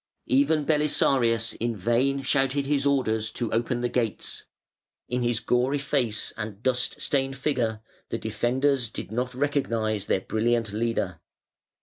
Even Belisarius in vain shouted his orders to open the gates; in his gory face and dust stained figure the defenders did not recognise their brilliant leader.